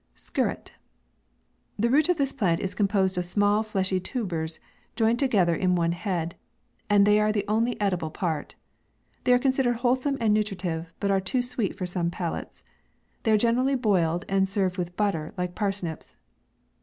SKIRRET. The root of this plant is composed of small fleshy tubers, joined together in one head, and are the only eatable part. They are considered wholesome and nutritive, but are too sweet for some palates. They are gene rally boiled and served with butter, like pars nips.